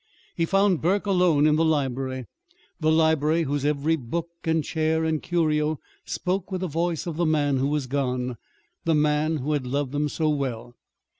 He found Burke alone in the library the library whose every book and chair and curio spoke with the voice of the man who was gone the man who had loved them so well.